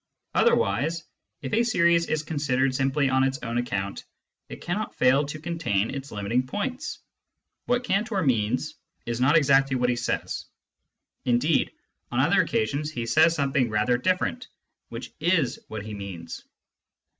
Otherwise, if a series is considered simply on its own account, it cannot fail to contain its limiting points. What Cantor means is not exactly what he says ; indeed, on other occasions he says something rather different, which is what he means.